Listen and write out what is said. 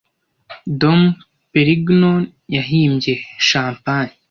Dom Perignon yahimbye champagne